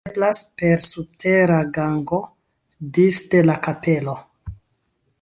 Ĝi atingeblas per subtera gango disde la kapelo.